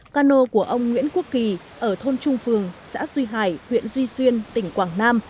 cano của ông nguyễn quốc kỳ ở thôn trung phường xã duy hải huyện duy xuyên tỉnh quảng nam